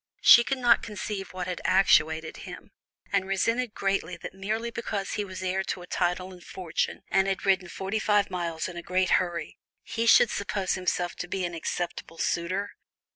She could not conceive what had actuated him, and resented greatly that merely because he was heir to a title and fortune, and had ridden forty five miles in a great hurry, he should suppose himself to be an acceptable suitor.